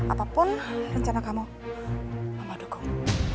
apapun rencana kamu sama dukung